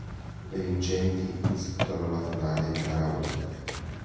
Le vincenti disputano la finale in gara unica.